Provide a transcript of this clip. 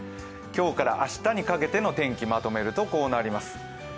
今日から明日にかけての天気をまとめるとこうなります。